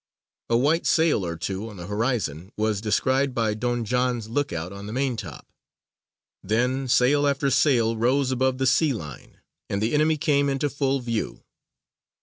A white sail or two on the horizon was descried by Don John's look out on the maintop; then sail after sail rose above the sea line, and the enemy came into full view.